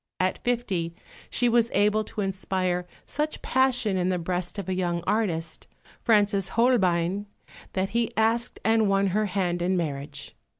At fifty she was able to inspire such passion in the breast of a young artist, Francis Holbein, that he asked and won her hand in marriage.